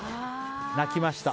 泣きました。